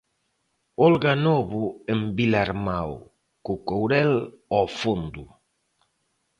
Olga Novo en Vilarmao, co Courel ao fondo.